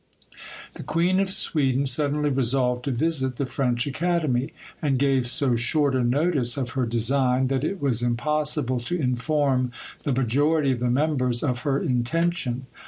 The Queen of Sweden suddenly resolved to visit the French Academy, and gave so short a notice of her design, that it was impossible to inform the majority of the members of her intention.